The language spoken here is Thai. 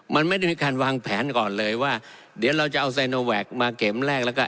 มันไม่ได้มีการวางแผนก่อนเลยว่าเดี๋ยวเราจะเอาไซโนแวคมาเข็มแรกแล้วก็